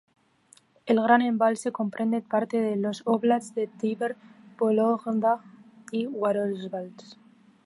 El gran embalse comprende parte de los óblasts de Tver, Vólogda y Yaroslavl.